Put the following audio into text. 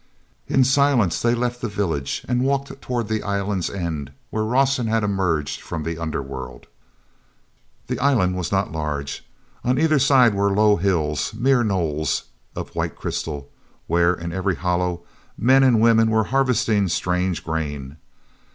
In silence they left the village and walked toward the island's end where Rawson had emerged from the under world. The island was not large. On either side were low hills, mere knolls, of white crystal, where, in every hollow, men and women were harvesting strange grain.